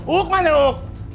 uek mana uek